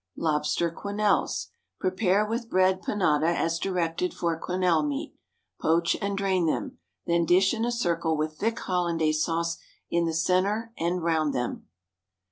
Lobster Quenelles. Prepare with bread panada as directed for quenelle meat. Poach and drain them. Then dish in a circle with thick Hollandaise sauce in the centre and round them.